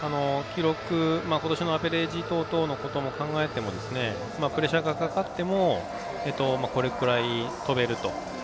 ことしのアベレージなどのことを考えてもプレッシャーがかかってもこれぐらい跳べると。